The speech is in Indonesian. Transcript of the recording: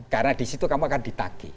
karena di situ kamu akan ditakik